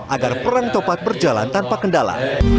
agar perang topat berjalan tanpa kendala